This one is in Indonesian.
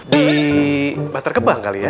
di bantar gebang kali ya